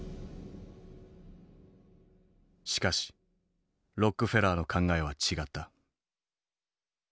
しかしロックフェラーの考えは違った。